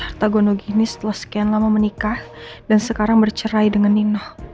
hartagono gini setelah sekian lama menikah dan sekarang bercerai dengan nino